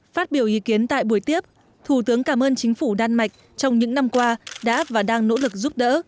phát biểu ý kiến tại buổi tiếp thủ tướng cảm ơn chính phủ đan mạch trong những năm qua đã và đang nỗ lực giúp đỡ